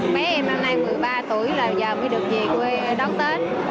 mấy em năm nay một mươi ba tuổi là giờ mới được về quê đón tết